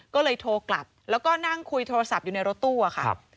ก็เลยโทรกลับแล้วก็นั่งคุยโทรศัพท์อยู่ในรถตู้ค่ะ